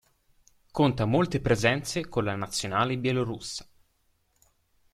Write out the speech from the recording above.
Conta molte presenze con la nazionale bielorussa.